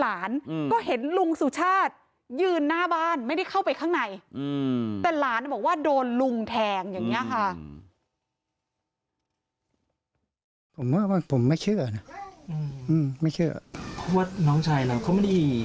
ว่าน้องชายเราก็ไม่ได้ไปต่อเราต่อเถียงด้วยใช่ไหม